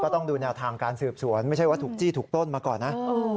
ต้องดูแนวทางการสืบสวนไม่ใช่ว่าถูกจี้ถูกปล้นมาก่อนนะ